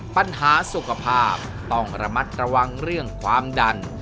ปัญหาสุขภาพต้องระมัดระวังเรื่องความดัน